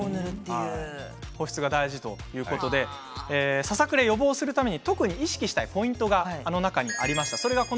保湿が大事ということでささくれを予防するために特に意識したいポイントがあの中にありました。